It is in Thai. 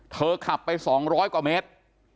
เธอขับไปสองร้อยกว่าเมตร